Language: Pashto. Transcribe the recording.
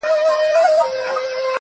• هغه د ساه کښلو لپاره جادوگري غواړي.